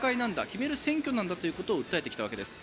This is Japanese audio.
決める選挙なんだということを訴えてきたわけです。